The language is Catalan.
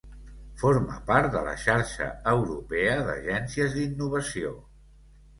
Forma part de la Xarxa Europea d'Agències d'Innovació.